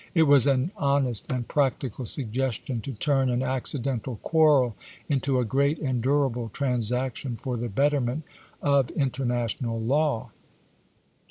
It was an honest and practical suggestion to turn an acci dental quarrel into a great and durable transaction for the betterment of international law.